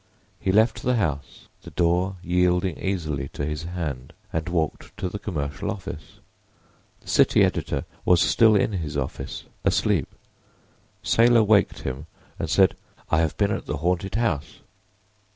He left the house, the door yielding easily to his hand, and walked to the Commercial office. The city editor was still in his office—asleep. Saylor waked him and said: "I have been at the haunted house."